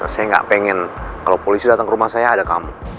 saya nggak pengen kalau polisi datang ke rumah saya ada kamu